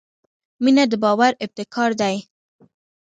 • مینه د باور ابتکار دی.